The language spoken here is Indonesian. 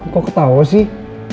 kok ketawa sih